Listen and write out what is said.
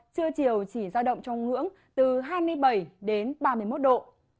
trưa chiều chỉ giao động trong ngưỡng từ hai mươi bảy đến ba mươi một độ